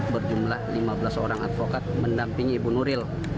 berjumlah lima belas orang advokat mendampingi ibu nuril